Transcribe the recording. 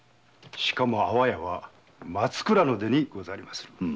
しかも阿波屋は松倉の出身にござりまする。